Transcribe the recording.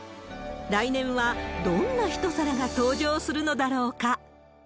来年は、どんな一皿が登場するのだろうか。